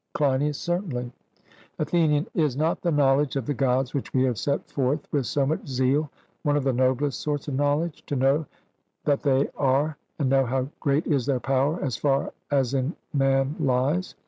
CLEINIAS: Certainly. ATHENIAN: Is not the knowledge of the Gods which we have set forth with so much zeal one of the noblest sorts of knowledge to know that they are, and know how great is their power, as far as in man lies?